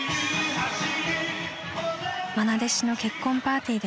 ［愛弟子の結婚パーティーでした］